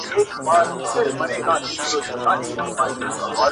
• د غوايی په غاړه ولي زنګوله وي -